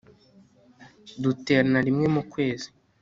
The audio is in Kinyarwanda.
duterana rimwe mu kwezi